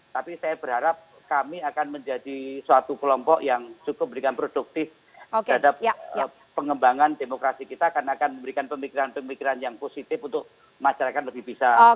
tapi saya berharap kami akan menjadi suatu kelompok yang cukup memberikan produktif terhadap pengembangan demokrasi kita karena akan memberikan pemikiran pemikiran yang positif untuk masyarakat lebih bisa